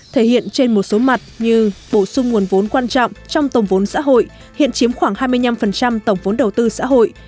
thể hiện trên một số mặt như bổ sung nguồn vốn quan trọng trong tổng vốn xã hội hiện chiếm khoảng hai mươi năm tổng vốn đầu tư xã hội